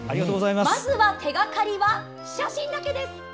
まずは、手がかりは写真だけ。